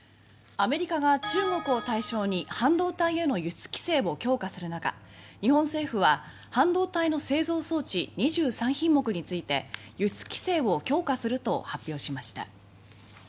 アメリカが中国を対象に半導体への輸出規制を強化する中日本政府は、半導体の製造装置２３品目について輸出規制を強化すると発表しました。